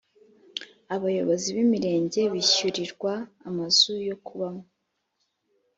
Abayobozi b’imirenge bishyurirwa amazu yokubamo